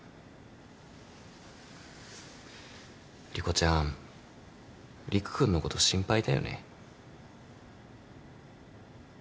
莉子ちゃん理玖君のこと心配だよね？